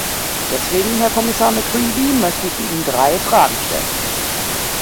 Deswegen, Herr Kommissar McCreevy, möchte ich Ihnen drei Fragen stellen.